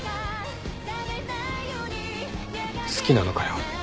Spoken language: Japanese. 好きなのかよ。